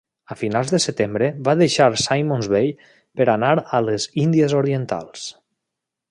A finals de setembre va deixar Simon's Bay per anar a les Índies Orientals.